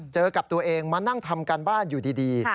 เจอกับตัวเองมานั่งทำการบ้านอยู่ดี